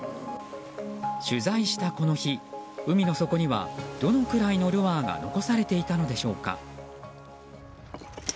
取材したこの日海の底にはどのくらいのルアーが残されていたのでしょうか。